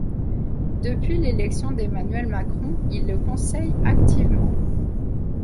Depuis l'élection d'Emmanuel Macron, il le conseille activement.